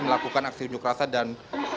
melakukan aksi unjuk rasa dan